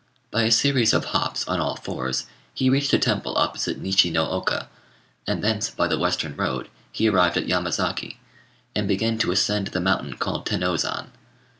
By a series of hops on all fours he reached a temple opposite Nishi no oka, and thence by the western road he arrived at Yamazaki, and began to ascend the mountain called Tenôzan.